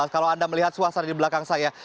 kalau anda melihat suasana di belakang saya